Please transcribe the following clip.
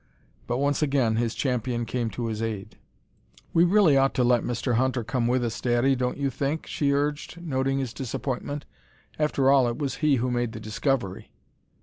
But once again his champion came to his aid. "We really ought to let Mr. Hunter come with us, daddy, don't you think?" she urged, noting his disappointment. "After all, it was he who made the discovery."